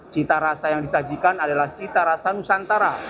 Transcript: cita rasa yang disajikan adalah cita rasa nusantara